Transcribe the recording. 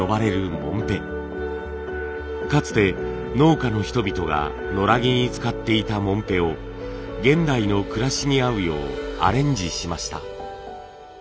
かつて農家の人々が野良着に使っていたモンペを現代の暮らしに合うようアレンジしました。